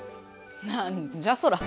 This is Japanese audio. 何じゃそら。